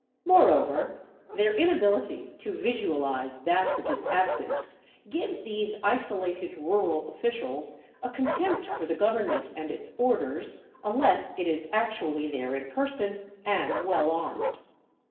Moreover, their inability to vizualize that which is absent gives these isolated rural officials a contempt for the government and its orders, unless it is actually there in person, and well armed.